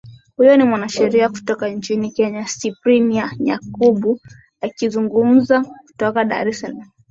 huyo ni mwanasheria kutoka nchini kenya cyprian nyamwamu akizungumza kutoka dar es salaam